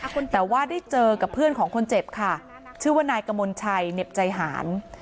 แต่ว่าได้เจอกับเพื่อนของคนเจ็บค่ะชื่อว่านายกมลชัยเหน็บใจหาร